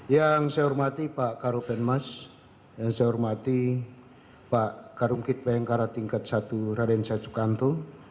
yang saya hormati pak karupen mas yang saya hormati pak karungkit bayangkara tingkat satu raden syacukanto